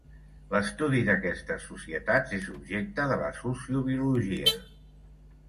L'estudi d'aquestes societats és objecte de la sociobiologia.